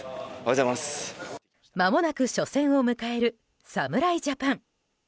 まもなく初戦を迎える侍ジャパン。